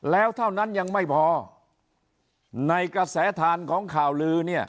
แล้วเท่านั้นยังไม่พอในกระแสทานของข่าวลือเนี่ย